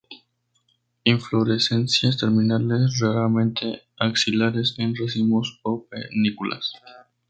Inflorescencias terminales, raramente axilares, en racimos o panículas.